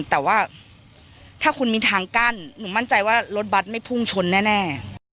แต่ว่าถ้าคุณมีทางกั้นหนูมั่นใจว่ารถบัตรไม่พุ่งชนแน่